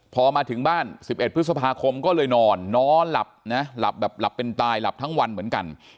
พอมาถึงบ้าน๑๑พฤษภาคมก็เลยนอนนอนหลับนะหลับแบบหลับเป็นตายหลับทั้งวันเหมือนกัน